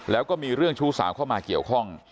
แล้วก็มีเรื่องชู้สาวเข้ามาเกี่ยวข้อง